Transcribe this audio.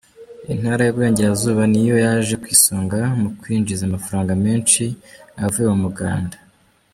Intara y’Iburengerazuba niyo yaje ku isonga mu kwinjiza amafaranga menshi avuye mu muganda.